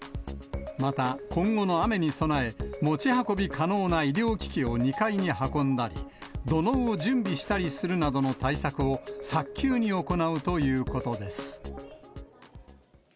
また、今後の雨に備え、持ち運び可能な医療機器を２階に運んだり、土のうを準備したりするなどの対策を早急に行うということです。